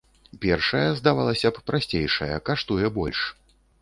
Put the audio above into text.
Першая, здавалася б, прасцейшая, каштуе больш.